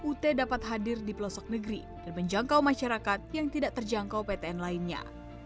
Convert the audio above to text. ut dapat hadir di pelosok negeri dan menjangkau masyarakat yang tidak terjangkau ptn lainnya